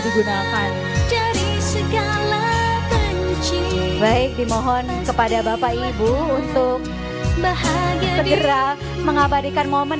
digunakan dari segala kunci baik dimohon kepada bapak ibu untuk bahagia segera mengabadikan momen